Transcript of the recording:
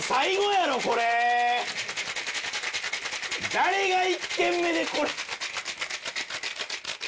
誰が１軒目でこれ！